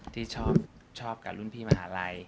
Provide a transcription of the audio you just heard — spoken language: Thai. ที่ชอบกับรุ่นพี่มหาลัย